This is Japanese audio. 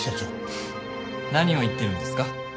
フッ何を言ってるんですか？